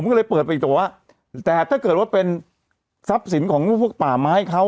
ก็เลยเปิดไปอีกแต่ว่าแต่ถ้าเกิดว่าเป็นทรัพย์สินของพวกป่าไม้เขา